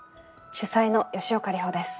主宰の吉岡里帆です。